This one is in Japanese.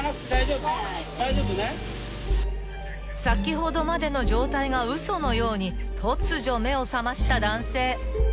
［先ほどまでの状態が嘘のように突如目を覚ました男性］